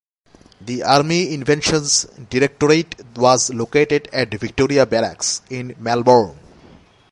The Army Inventions Directorate was located at Victoria Barracks in Melbourne.